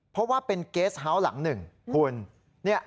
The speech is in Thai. เพราะว่าเป็นเกสเฮาส์หลังหนึ่งคุณ